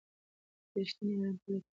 ته د رښتیني ارام په لټه کې یې؟